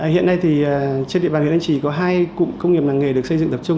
hiện nay thì trên địa bàn huyện anh trì có hai cụm công nghiệp làng nghề được xây dựng tập trung